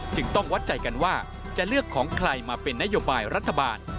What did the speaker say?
จึงต้องวัดใจกันว่าจะเลือกของใครมาเป็นนโยบายรัฐบาล